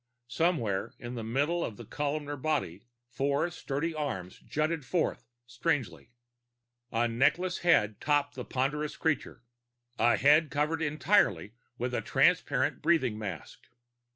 Somewhere near the middle of the columnar body, four sturdy arms jutted forth strangely. A neckless head topped the ponderous creature a head covered entirely with the transparent breathing mask.